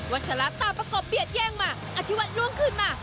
วัชละตาประกบเบียดแย่งมาอธิวัฒน์ล้วงขึ้นมา